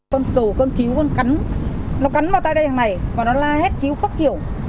con cổ con cứu con cắn nó cắn vào tay đây hàng này và nó la hết cứu pháp kiểu